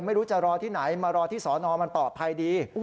ไม่รู้จะรอที่ไหนมารอที่สอนอมันปลอดภัยดี